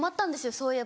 そういえば。